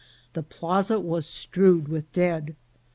The plaza was strewed with dead.